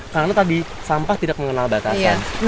karena tadi sampah tidak mengenal batasan